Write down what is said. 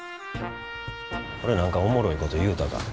俺何かおもろいこと言うたか？